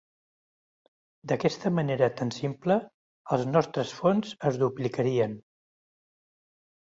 D'aquesta manera tan simple els nostres fons es duplicarien.